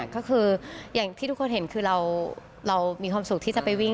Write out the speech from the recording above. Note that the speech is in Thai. ก็คืออย่างที่ทุกคนเห็นคือเรามีความสุขที่จะไปวิ่ง